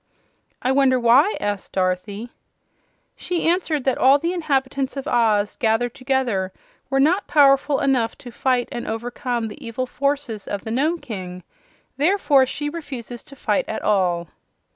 "I wonder why?" asked Dorothy. "She answered that all the inhabitants of Oz, gathered together, were not powerful enough to fight and overcome the evil forces of the Nome King. Therefore she refuses to fight at all."